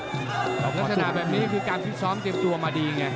ลักษณะแบบนี้คือการฟิตซ้อมเตรียมตัวมาดีไง